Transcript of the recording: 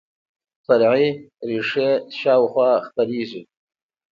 فرعي ریښې شاوخوا خپریږي